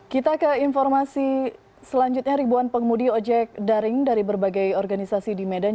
kita ke informasi selanjutnya ribuan pengemudi ojek daring dari berbagai organisasi di medan